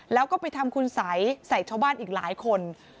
แล้วก็ไปทำคุณสัยใส่ชาวบ้านอีกหลายคน